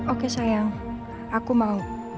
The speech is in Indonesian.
oke sayang aku mau